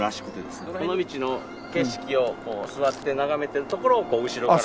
尾道の景色を座って眺めてるところを後ろから。